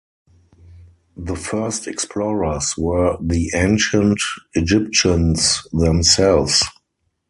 The first explorers were the ancient Egyptians themselves.